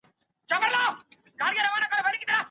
ښوونکی وایي چې پوهه لویه سرمایه ده.